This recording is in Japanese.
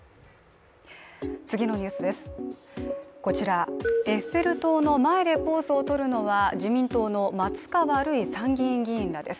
こちら、エッフェル塔の前でポーズをとるのは自民党の松川るい参議院議員らです。